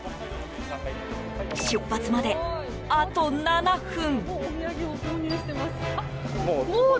出発まで、あと７分。